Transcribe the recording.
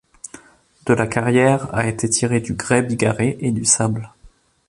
De la carrière a été tiré du grès bigarré et du sable.